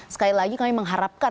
sekali lagi kami mengharapkan